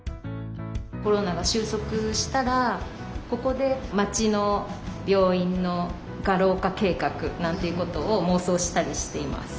コロナが終息したらここでまちの病院の画廊化計画なんていうことを妄想したりしています。